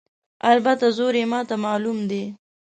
البته زور یې ماته معلوم دی.